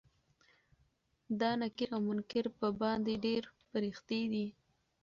دا نکير او منکر په باندې ډيرې پريښتې دي